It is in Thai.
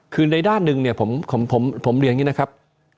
คือในด้านหนึ่งเนี่ยผมเรียนอย่างนี้นะครับ